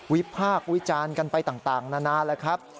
พากษ์วิจารณ์กันไปต่างนานาแล้วครับ